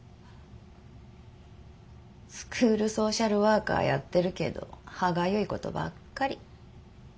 スクールソーシャルワーカーやってるけど歯がゆいことばっかり。